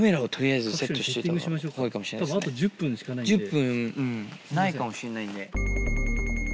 １０分ないかもしれないんで。